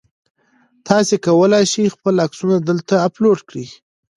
تاسي کولای شئ خپل عکسونه دلته اپلوډ کړئ.